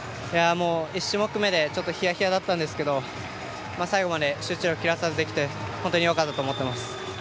１種目めでひやひやだったんですが最後まで集中力を切らさずできて本当に良かったと思います。